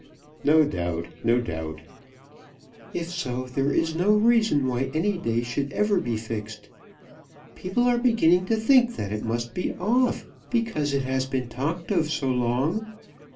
"No doubt, no doubt." "If so, there is no reason why any day should ever be fixed. People are beginning to think that it must be off, because it has been talked of so long."